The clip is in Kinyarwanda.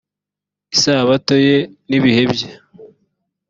isabato ye n ibihe bye